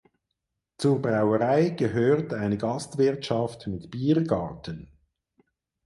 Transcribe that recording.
Zur Brauerei gehört eine Gastwirtschaft mit Biergarten.